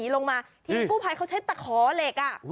ลงมาทีมกู้ไพต้องใช้ตะขอเหล็ก